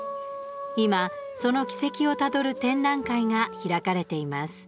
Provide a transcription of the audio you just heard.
今その軌跡をたどる展覧会が開かれています。